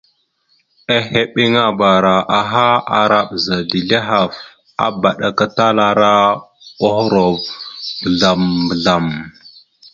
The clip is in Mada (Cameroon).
Ehebeŋabara aha ara bəza dezl ahaf, abaɗakatalara ohərov mbəzlam- mbəzlam.